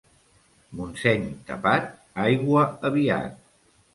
Montseny tapat, aigua aviat.